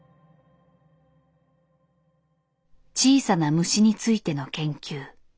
小さな虫についての研究。